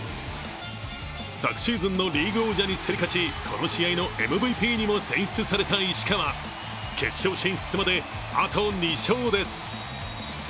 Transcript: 昨シーズンのリーグ王者に競り勝ちこの試合のＭＶＰにも選出された石川決勝進出まで、あと２勝です。